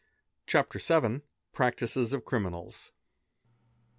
CHAPTER VIL. PRACTICES OF CRIMINALS.